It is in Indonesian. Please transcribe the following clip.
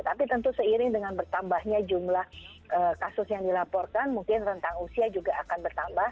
tapi tentu seiring dengan bertambahnya jumlah kasus yang dilaporkan mungkin rentang usia juga akan bertambah